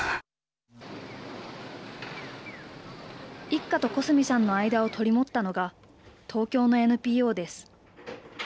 一家と小澄さんの間を取り持ったのが東京のＮＰＯです。